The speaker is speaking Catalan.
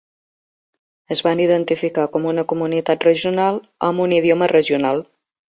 Es van identificar com una comunitat regional amb un idioma regional.